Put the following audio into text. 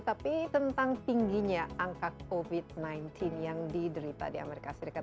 tapi tentang tingginya angka covid sembilan belas yang diderita di amerika serikat